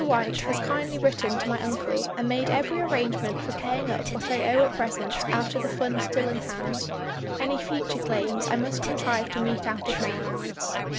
White has kindly written to my uncle and made every arrangement for paying up what I owe at present out of the funds still in hand; any future claims I must contrive to meet out of my allowance.